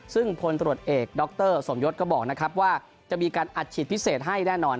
ซึ่งพลตรวจเอกดรสมยศก็บอกนะครับว่าจะมีการอัดฉีดพิเศษให้แน่นอน